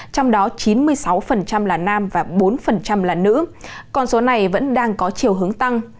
trong đó chín mươi sáu là nam và bốn là nữ còn số này vẫn đang có chiều hướng tăng